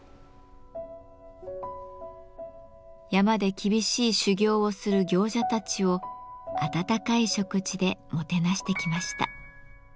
山で厳しい修行をする行者たちを温かい食事でもてなしてきました。